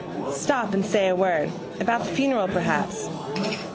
Stop and say a word: about the funeral perhaps.